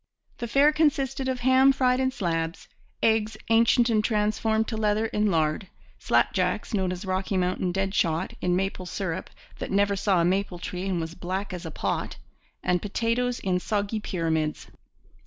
The fare consisted of ham fried in slabs, eggs ancient and transformed to leather in lard, slapjacks, known as 'Rocky Mountain dead shot,' in maple syrup that never saw a maple tree and was black as a pot, and potatoes in soggy pyramids.